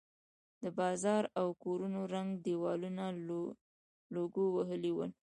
د بازار او کورونو ړنګ دېوالونه لوګو وهلي ول.